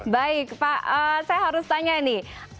baik pak saya harus tanya nih